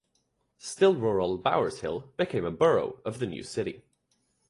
Still-rural Bower's Hill became a borough of the new city.